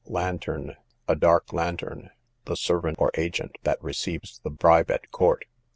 Lantern. A dark lantern, the servant or agent that receives the bribe at court.